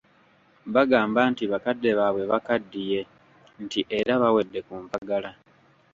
Bagamba nti bakadde baabwe bakaddiye nti era bawedde ku mpagala.